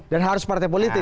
dan harus partai politik